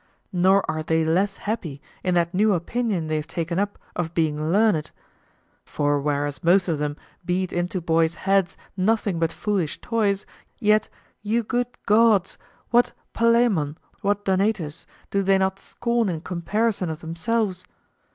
Nor are they less happy in that new opinion they have taken up of being learned; for whereas most of them beat into boys' heads nothing but foolish toys, yet, you good gods! what Palemon, what Donatus, do they not scorn in comparison of themselves?